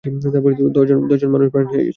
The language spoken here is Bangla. দশজন প্রাণ হারিয়েছে।